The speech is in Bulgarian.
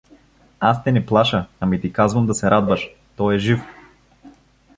— Аз те не плаша, ами ти казвам да се радваш… Той е жив!